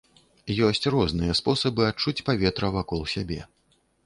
Ёсць розныя спосабы адчуць паветра вакол сябе.